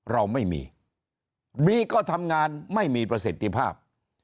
เราไม่มีบีก็ทำงานไม่มีประสิทธิภาพ